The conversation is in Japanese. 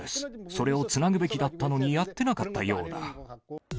それをつなぐべきだったのにやってなかったようだ。